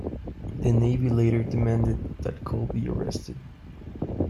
The Navy later demanded that Cole be arrested.